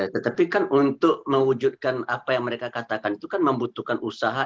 tetapi kan untuk mewujudkan apa yang mereka katakan itu kan membutuhkan usaha